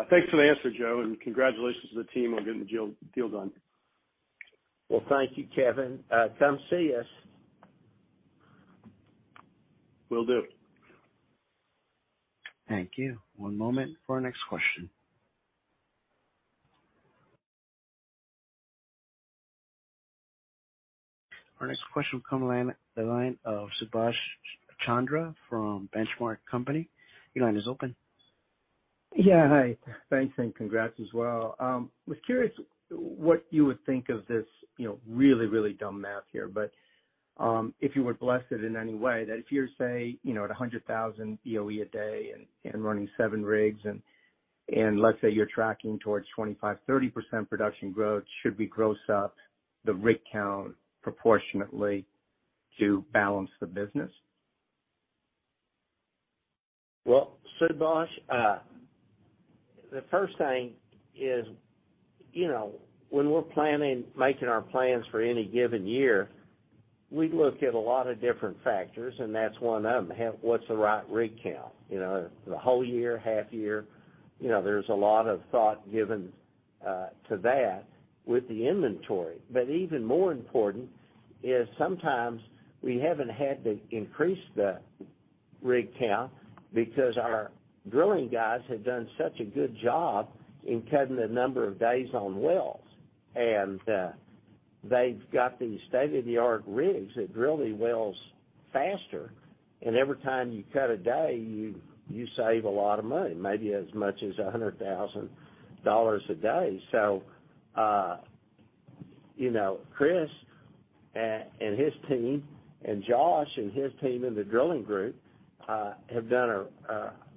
Thanks for the answer, Joe, congratulations to the team on getting the deal done. Well, thank you, Kevin. Come see us. Will do. Thank you. One moment for our next question. Our next question will come on the line of Subash Chandra from Benchmark Company. Your line is open. Yeah. Hi. Thanks. Congrats as well. Was curious what you would think of this, you know, really, really dumb math here, but, if you were blessed in any way that if you're say, you know, at 100,000 BOE a day and running seven rigs, and let's say you're tracking towards 25%-30% production growth, should we gross up the rig count proportionately to balance the business? Well, Subash, the first thing is, you know, when we're planning, making our plans for any given year, we look at a lot of different factors, and that's one of them. What's the right rig count? You know, the whole year, half year, you know, there's a lot of thought given to that with the inventory. Even more important is sometimes we haven't had to increase the rig count because our drilling guys have done such a good job in cutting the number of days on wells. They've got these state-of-the-art rigs that drill the wells faster, and every time you cut a day, you save a lot of money, maybe as much as $100,000 a day. You know, Chris and his team and Josh and his team in the drilling group, have done,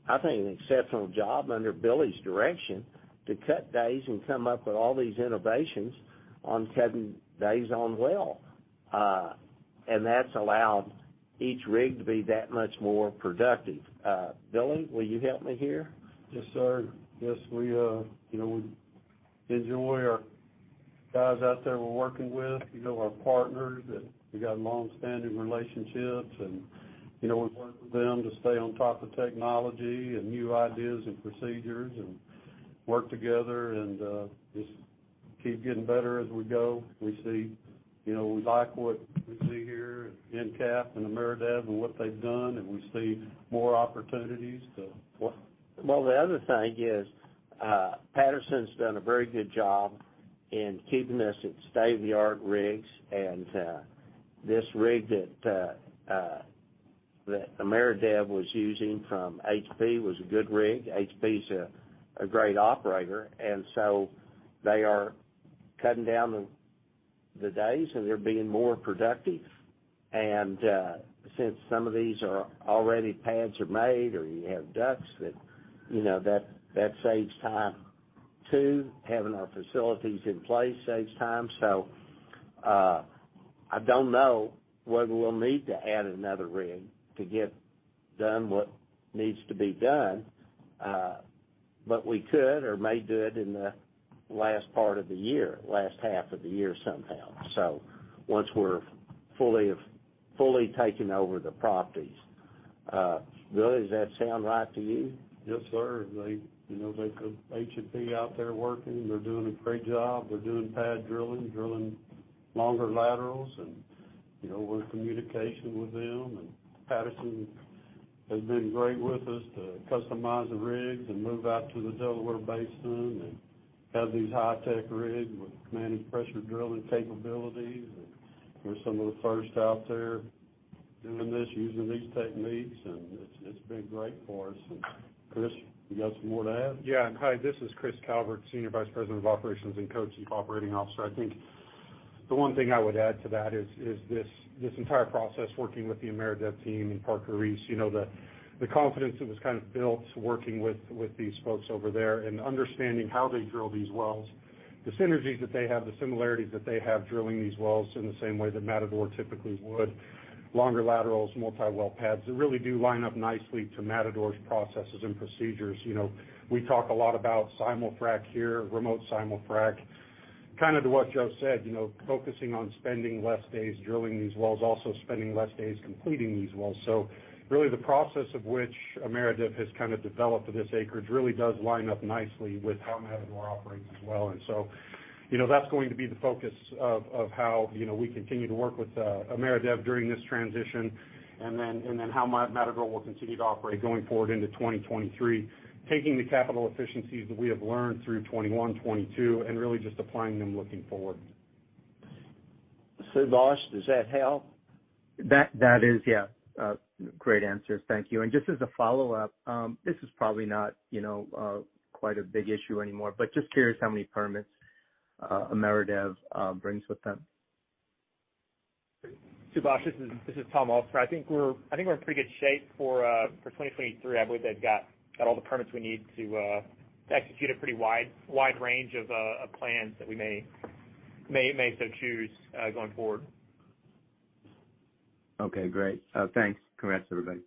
I think, an exceptional job under Billy's direction to cut days and come up with all these innovations on cutting days on well. That's allowed each rig to be that much more productive. Billy, will you help me here? Yes, sir. Yes, we, you know, we enjoy our guys out there we're working with, you know, our partners that we got longstanding relationships, and, you know, we work with them to stay on top of technology and new ideas and procedures and work together and, just keep getting better as we go. We see, you know, we like what we see here at EnCap and Ameredev and what they've done, and we see more opportunities so. The other thing is, Patterson's done a very good job in keeping us at state-of-the-art rigs, and this rig that Ameredev was using from HP was a good rig. HP's a great operator, and so they are cutting down the days, and they're being more productive. Since some of these are already pads are made or you have DUCs that, you know, that saves time too. Having our facilities in place saves time. I don't know whether we'll need to add another rig to get done what needs to be done, but we could or may do it in the last part of the year, last half of the year somehow. Once we're fully taking over the properties. Billy, does that sound right to you? Yes, sir. They, you know, they've got H&P out there working. They're doing a great job. They're doing pad drilling longer laterals, and, you know, we're in communication with them. Patterson has been great with us to customize the rigs and move out to the Delaware Basin and have these high-tech rig with Managed Pressure Drilling capabilities. We're some of the first out there doing this, using these techniques, and it's been great for us. Chris, you got some more to add? Hi, this is Christopher Calvert, Senior Vice President of Operations and Co-Chief Operating Officer. I think the one thing I would add to that is this entire process working with the Ameredev team and Parker Reese, you know, the confidence that was built working with these folks over there and understanding how they drill these wells. The synergies that they have, the similarities that they have drilling these wells in the same way that Matador typically would, longer laterals, multi-well pads, they really do line up nicely to Matador's processes and procedures. You know, we talk a lot about simul-frac here, remote simul-frac. Kinda to what Joe said, you know, focusing on spending less days drilling these wells, also spending less days completing these wells. Really the process of which Ameredev has kinda developed for this acreage really does line up nicely with how Matador operates as well. You know, that's going to be the focus of how, you know, we continue to work with Ameredev during this transition, and then how Matador will continue to operate going forward into 2023, taking the capital efficiencies that we have learned through 2021, 2022, and really just applying them looking forward. Subash, does that help? That is, yeah. Great answers. Thank you. Just as a follow-up, this is probably not, you know, quite a big issue anymore, but just curious how many permits Ameredev brings with them. Subash, this is Tom Olsener. I think we're in pretty good shape for 2023. I believe they've got all the permits we need to execute a pretty wide range of plans that we may so choose going forward. Okay, great. Thanks. Congrats, everybody.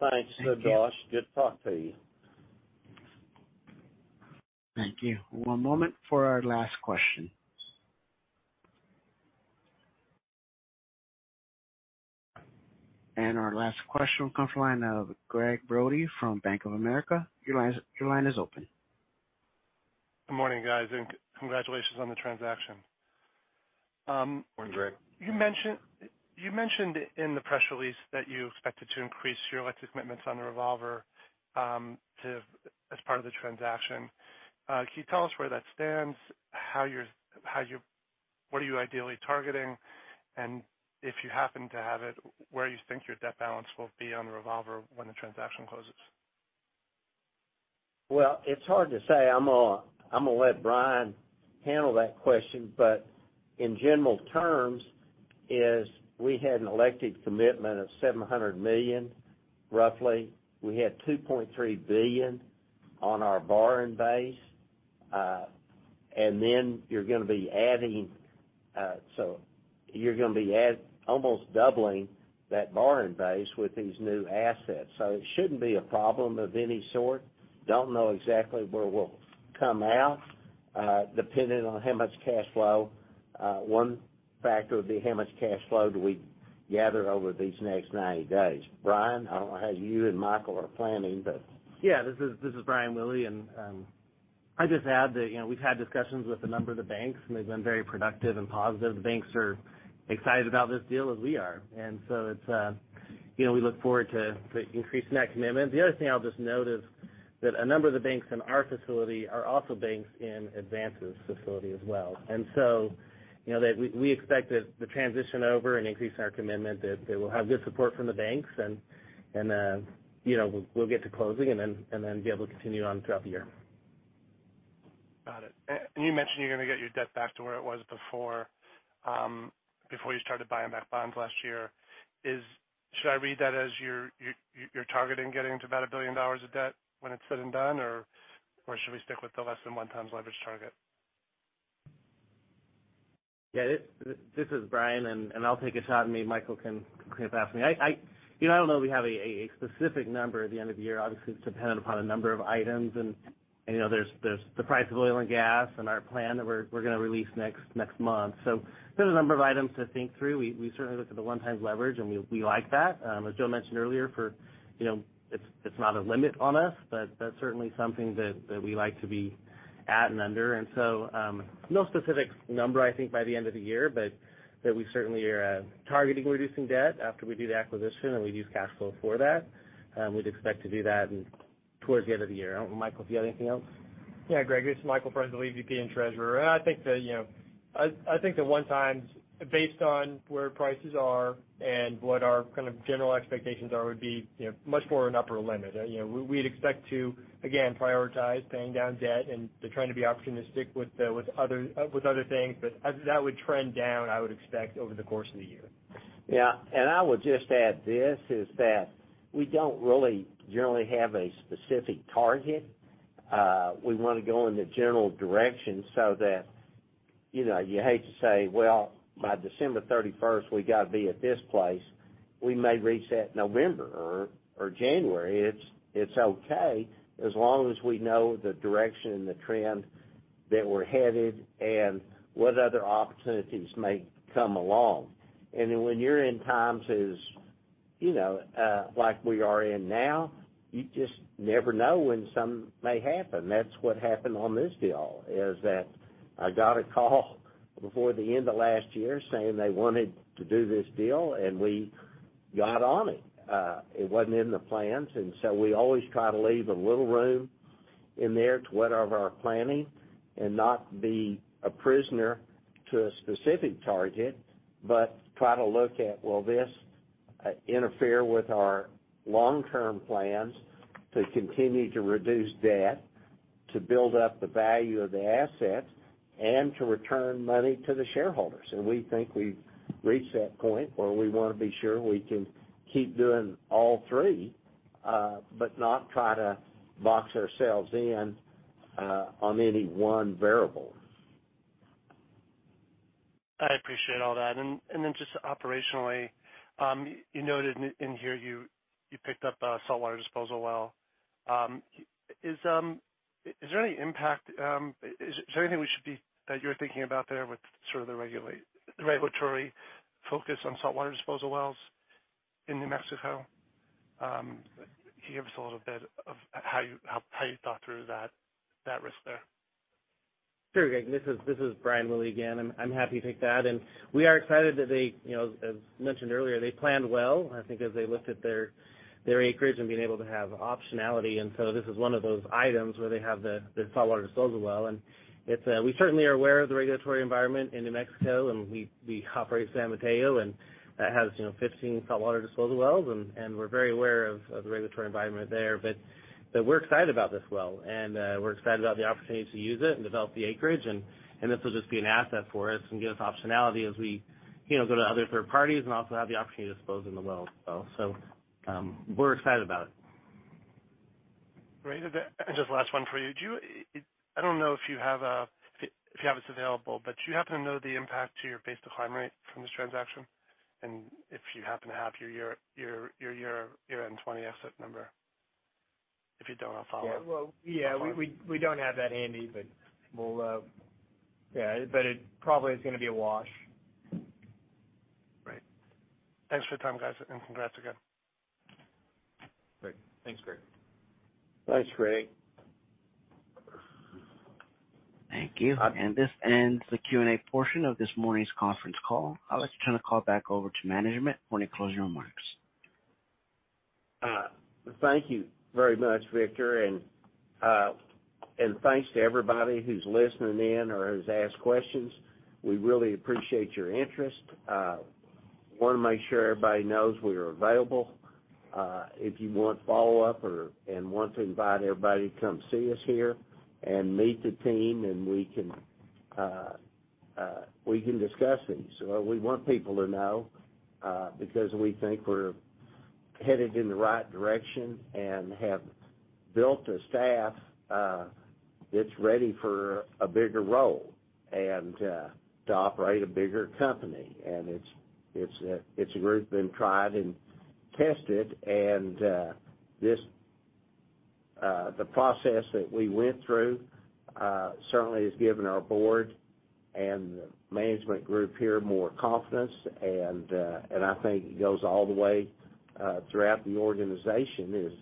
Thanks, Subash. Thank you. Good to talk to you. Thank you. One moment for our last question. Our last question will come from the line of Douglas Leggate from Bank of America. Your line is open. Good morning, guys, and congratulations on the transaction. Morning, Greg. You mentioned in the press release that you expected to increase your elected commitments on the revolver, as part of the transaction. Can you tell us where that stands, how you're what are you ideally targeting? If you happen to have it, where you think your debt balance will be on the revolver when the transaction closes? It's hard to say. I'm gonna let Bryan handle that question. In general terms is we had an elected commitment of $700 million, roughly. We had $2.3 billion on our borrowing base. Then you're gonna be adding, so you're gonna be almost doubling that borrowing base with these new assets. It shouldn't be a problem of any sort. Don't know exactly where we'll come out, depending on how much cash flow. One factor would be how much cash flow do we gather over these next 90 days. Brian, I don't know how you and Michael are planning. Yeah, this is Brian Willey, I'd just add that, you know, we've had discussions with a number of the banks, and they've been very productive and positive. The banks are excited about this deal as we are. it's, you know, we look forward to increasing that commitment. The other thing I'll just note is that a number of the banks in our facility are also banks in Advance's facility as well. you know, that we expect that the transition over and increase in our commitment, that they will have good support from the banks and, you know, we'll get to closing and then be able to continue on throughout the year. Got it. You mentioned you're gonna get your debt back to where it was before you started buying back bonds last year. Should I read that as you're targeting getting to about $1 billion of debt when it's said and done, or should we stick with the less than 1x leverage target? This is Brian, and I'll take a shot, and maybe Michael can pick up after me. I, you know, I don't know if we have a specific number at the end of the year. Obviously, it's dependent upon a number of items, and, you know, there's the price of oil and gas and our plan that we're gonna release next month. There's a number of items to think through. We certainly look at the 1x leverage, and we like that. As Joe mentioned earlier, for, you know, it's not a limit on us, but that's certainly something that we like to be at and under. No specific number, I think, by the end of the year, but we certainly are targeting reducing debt after we do the acquisition, and we'd use cash flow for that. We'd expect to do that in towards the end of the year. I don't know, Michael, if you had anything else? Greg, this is Michael Van, the lead VP and Treasurer. I think that, you know, I think the 1 times, based on where prices are and what our kind of general expectations are, would be, you know, much more an upper limit. You know, we'd expect to, again, prioritize paying down debt and trying to be opportunistic with other things. As that would trend down, I would expect over the course of the year. Yeah. I would just add this, is that we don't really generally have a specific target. We wanna go in the general direction so that, you know, you hate to say, "Well, by December 31st, we gotta be at this place." We may reach that in November or January. It's okay as long as we know the direction and the trend that we're headed and what other opportunities may come along. Then when you're in times as, you know, like we are in now, you just never know when something may happen. That's what happened on this deal, is that I got a call before the end of last year saying they wanted to do this deal, and we got on it. It wasn't in the plans, we always try to leave a little room in there to whatever our planning and not be a prisoner to a specific target, but try to look at, will this interfere with our long-term plans to continue to reduce debt, to build up the value of the assets, and to return money to the shareholders? We think we've reached that point where we wanna be sure we can keep doing all three, but not try to box ourselves in, on any one variable. I appreciate all that. Just operationally, you noted in here you picked up a saltwater disposal well. Is there any impact, is there anything we should be that you're thinking about there with sort of the regulatory focus on saltwater disposal wells in New Mexico? Can you give us a little bit of how you, how you thought through that risk there? Sure, Greg, this is Brian Willey again. I'm happy to take that. We are excited that they, you know, as mentioned earlier, they planned well, I think as they looked at their acreage and being able to have optionality. This is one of those items where they have the saltwater disposal well. It's, we certainly are aware of the regulatory environment in New Mexico, and we operate San Mateo, and that has, you know, 15 saltwater disposal wells, and we're very aware of the regulatory environment there. but we're excited about this well, and we're excited about the opportunity to use it and develop the acreage and this will just be an asset for us and give us optionality as we, you know, go to other third parties and also have the opportunity to dispose in the well. We're excited about it. Great. Just last one for you. I don't know if you have this available, but do you happen to know the impact to your base decline rate from this transaction? If you happen to have your year-end 2020 asset number. If you don't, I'll follow up. Yeah. Well, yeah. We don't have that handy, but we'll. Yeah, it probably is gonna be a wash. Right. Thanks for the time, guys, and congrats again. Great. Thanks, Greg. Thanks, Greg. Thank you. This ends the Q&A portion of this morning's conference call. I'll let you turn the call back over to management for any closing remarks. Thank you very much, Victor. Thanks to everybody who's listening in or who's asked questions. We really appreciate your interest. Wanna make sure everybody knows we are available if you want follow-up or, and want to invite everybody to come see us here and meet the team, and we can discuss these. We want people to know because we think we're headed in the right direction and have built a staff that's ready for a bigger role and to operate a bigger company. It's a group been tried and tested. This the process that we went through certainly has given our board and management group here more confidence. I think it goes all the way throughout the organization, is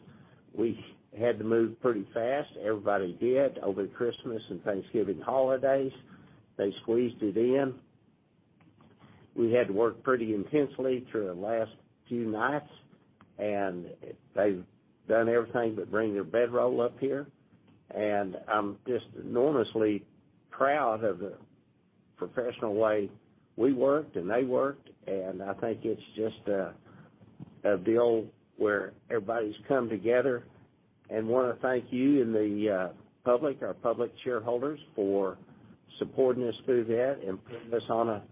we had to move pretty fast. Everybody did over the Christmas and Thanksgiving holidays. They squeezed it in. We had to work pretty intensely through the last few nights, and they've done everything but bring their bedroll up here. I'm just enormously proud of the professional way we worked and they worked, and I think it's just a deal where everybody's come together. wanna thank you and the public, our public shareholders for supporting us through that and putting us on a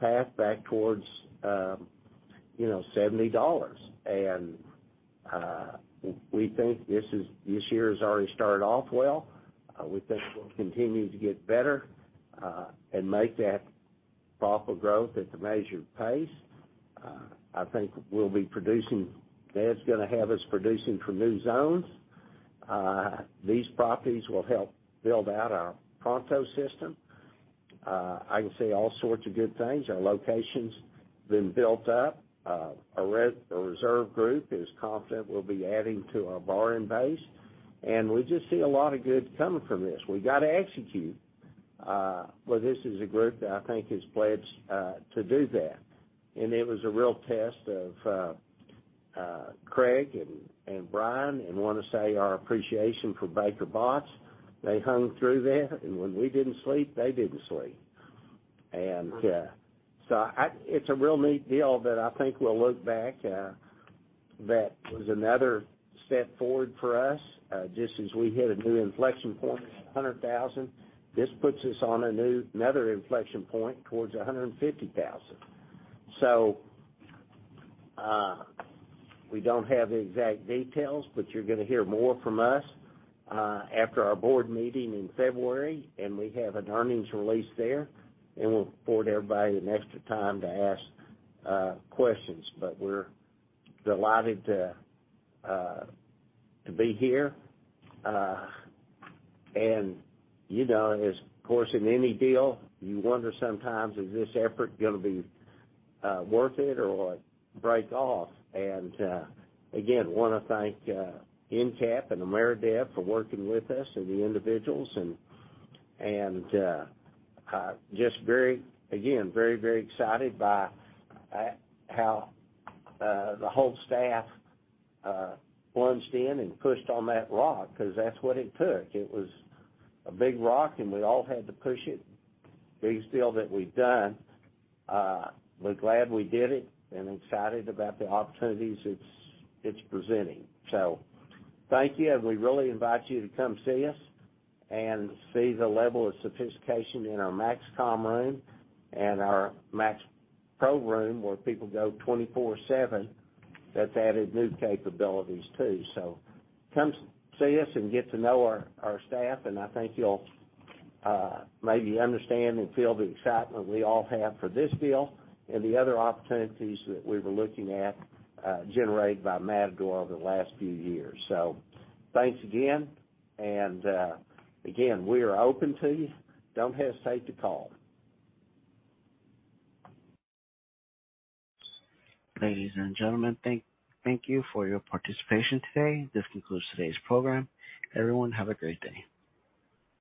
path back towards, you know, $70. we think this year has already started off well. we think we'll continue to get better and make that profitable growth at the measured pace. I think we'll be producing... Ned's gonna have us producing from new zones. These properties will help build out our Pronto system. I can see all sorts of good things. Our location's been built up. Our reserve group is confident we'll be adding to our borrowing base. We just see a lot of good coming from this. We gotta execute, this is a group that I think has pledged to do that. It was a real test of Craig and Brian, and wanna say our appreciation for Baker Botts. They hung through that, when we didn't sleep, they didn't sleep. It's a real neat deal that I think we'll look back, that was another step forward for us, just as we hit a new inflection point, 100,000. This puts us on another inflection point towards 150,000. We don't have the exact details, but you're gonna hear more from us after our board meeting in February, and we have an earnings release there, and we'll afford everybody an extra time to ask questions. We're delighted to be here. You know, as of course in any deal, you wonder sometimes is this effort gonna be worth it or break off. Again, wanna thank EnCap and Ameredev for working with us and the individuals. And, just very, again, very, very excited by how the whole staff plunged in and pushed on that rock 'cause that's what it took. It was a big rock, and we all had to push it. Big deal that we've done. We're glad we did it and excited about the opportunities it's presenting. Thank you, and we really invite you to come see us and see the level of sophistication in our MaxCom room and our MaxPro room, where people go 24/7, that's added new capabilities too. Come see us and get to know our staff, and I think you'll maybe understand and feel the excitement we all have for this deal and the other opportunities that we were looking at, generated by Matador over the last few years. Thanks again. Again, we are open to you. Don't hesitate to call. Ladies and gentlemen, thank you for your participation today. This concludes today's program. Everyone, have a great day.